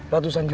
ratusan juta ya